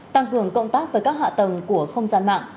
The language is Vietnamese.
tăng cường cộng tác với các hạ tầng của không gian mạng